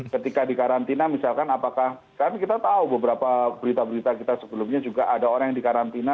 ketika di karantina misalkan apakah kan kita tahu beberapa berita berita kita sebelumnya juga ada orang yang dikarantina